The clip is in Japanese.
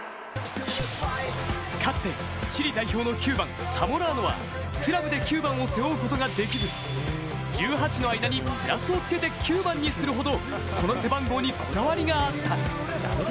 かつてチリ代表の９番、サモラーノはクラブで９番を背負うことができず、１８の間にプラスをつけて９番にするほどこの背番号にこだわりがあった。